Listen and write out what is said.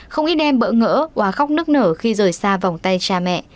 không ít em bỡ ngỡ quá khóc nức nở khi rời xa vòng tay cha mẹ